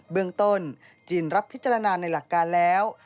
เรื่องต้นจีนรับพิจารณาในหลักการแล้ว